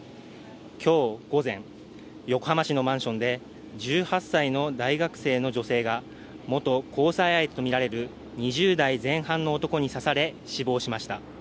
今日午前、横浜市のマンションで１８歳の大学生の女性が元交際相手とみられる２０代前半の男に刺され死亡しました。